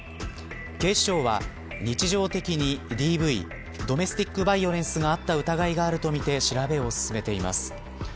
警視庁は、日常的にＤＶドメスティックバイオレンスがあった疑いがあるとみて調べを進めています。